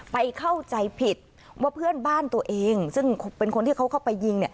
เข้าใจผิดว่าเพื่อนบ้านตัวเองซึ่งเป็นคนที่เขาเข้าไปยิง